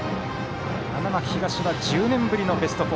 花巻東は１０年ぶりのベスト４。